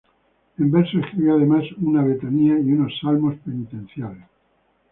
En verso escribió, además, una "Letanía" y unos "Salmos penitenciales".